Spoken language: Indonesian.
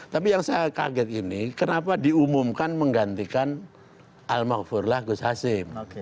tapi yang saya kaget ini kenapa diumumkan menggantikan al mahfulah gus hasim